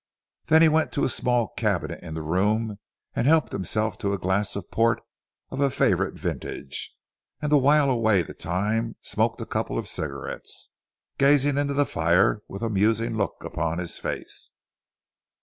Then he went to a small cabinet in the room, and helped himself to a glass of port of a favourite vintage, and to while away the time smoked a couple of cigarettes, gazing into the fire with a musing look upon his face.